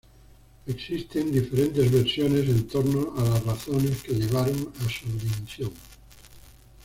Existen diferentes versiones en torno a las razones que llevaron a su dimisión.